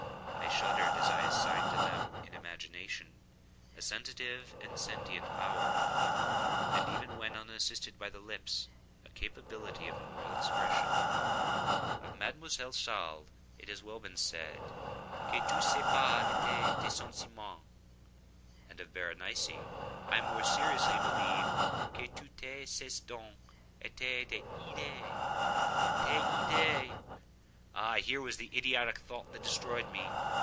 I shuddered as I assigned to them in imagination a sensitive and sentient power, and even when unassisted by the lips, a capability of moral expression. Of Mademoiselle Salle it has been well said, "Que tous ses pas etaient des sentiments," and of Berenice I more seriously believed que toutes ses dents etaient des idées. Des idÃ©es!—ah here was the idiotic thought that destroyed me!